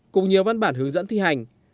cùng nhiều văn bản hướng dẫn thi hành